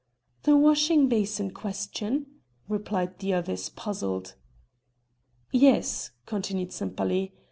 "The washing basin question!" repeated the others puzzled. "Yes," continued Sempaly.